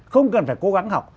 không cần phải cố gắng học